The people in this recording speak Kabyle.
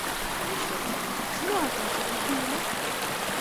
D acu? Sliɣ-akent-id akken ilaq?